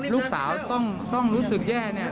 ลูกสาวต้องรู้สึกแย่